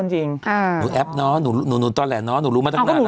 หนูแอปเนาะหนูตอนแหละเนาะ